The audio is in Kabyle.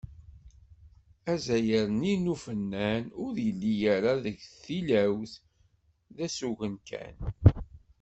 Aẓayer-nni n ufennan ur yelli ara deg tilawt, d asugen kan.